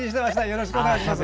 よろしくお願いします。